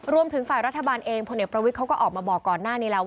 รวมถึงฝ่ายรัฐบาลเองพลเอกประวิทย์เขาก็ออกมาบอกก่อนหน้านี้แล้ว